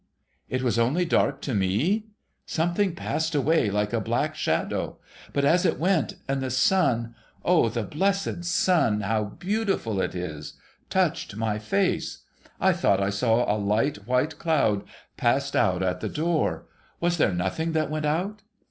' It was only dark to me ? Something passed away, like a black shadow. But as it went, and the sun — O the blessed sun, how beautiful it is !— touched my face, I thought I saw a light white cloud pass out at the door. Was there nothing that went out